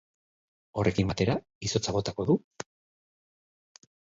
Horrekin batera, izotza botako du.